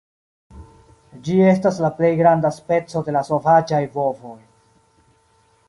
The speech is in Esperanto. Ĝi estas la plej granda speco de la sovaĝaj bovoj.